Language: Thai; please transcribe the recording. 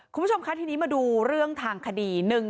คุณผู้ชมคะทีนี้มาดูเรื่องทางคดี